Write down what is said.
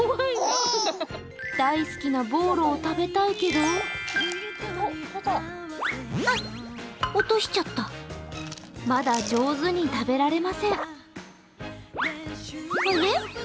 大好きなボーロを食べたいけどまだ上手に食べられません。